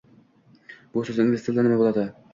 Bu so'z ingliz tilida nima bo'ladi?